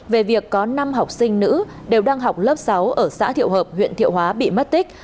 về việc có năm học sinh nữ đều đang học lớp sáu ở xã thiệu hợp huyện thiệu hóa bị mất tích